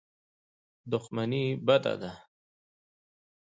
دښمني بده ده.